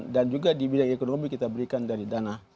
dan juga di bidang ekonomi kita memberikan dari dana